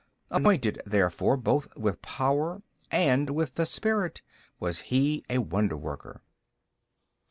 Anointed therefore both with power and with the Spirit, was He a wonder worker 40.